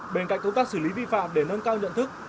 bên cạnh công tác xử lý vi phạm để nâng cao nhận thức